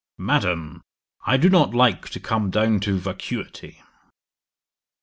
"Madam, I do not like to come down to vacuity."'